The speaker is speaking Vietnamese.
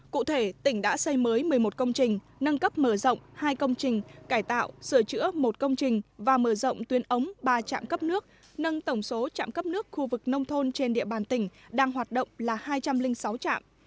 cụ thể tỉnh đã xây mới một mươi một công trình nâng cấp mở rộng hai công trình cải tạo sửa chữa một công trình và mở rộng tuyến ống ba trạm cấp nước nâng tổng số trạm cấp nước khu vực nông thôn trên địa bàn tỉnh đang hoạt động là hai trăm linh sáu trạm